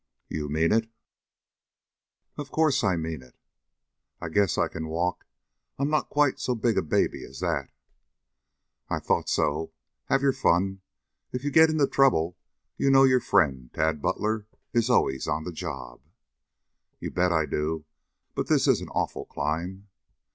"You mean it?" "Of course I mean it." "I guess I can walk. I'm not quite so big a baby as that." "I thought so. Have your fun. If you get into trouble you know your friend, Tad Butler, is always on the job." "You bet I do. But this is an awful climb."